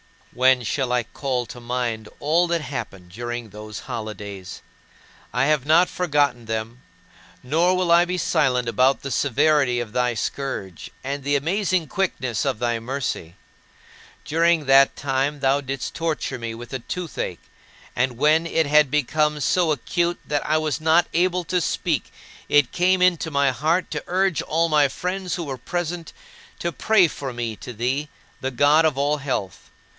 12. When shall I call to mind all that happened during those holidays? I have not forgotten them; nor will I be silent about the severity of thy scourge, and the amazing quickness of thy mercy. During that time thou didst torture me with a toothache; and when it had become so acute that I was not able to speak, it came into my heart to urge all my friends who were present to pray for me to thee, the God of all health.